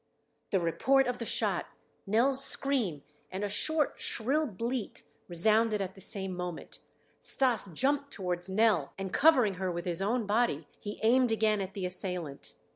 The report of the shot, Nell's scream, and a short, shrill bleat resounded at the same moment. Stas jumped towards Nell, and covering her with his own body, he aimed again at the assailant.